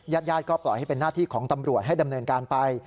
ญาติญาติก็ปล่อยให้เป็นหน้าที่ของตำรวจให้ดำเนินการไป